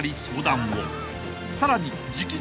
［さらに］